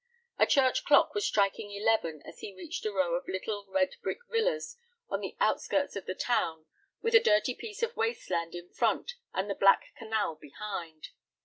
A church clock was striking eleven as he reached a row of little, red brick villas on the outskirts of the town, with a dirty piece of waste land in front and the black canal behind.